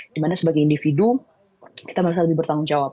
dimana sebagai individu kita merasa lebih bertanggung jawab